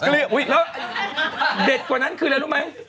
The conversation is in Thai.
แล้วเด็ดกว่านั้นคือรู้ไหม